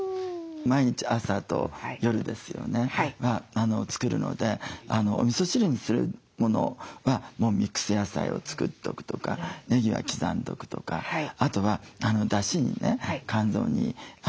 毎日朝と夜ですよねは作るのでおみそ汁にするものはもうミックス野菜を作っとくとかねぎは刻んどくとかあとはだしにね肝臓にいいアサリを冷凍しとくとか。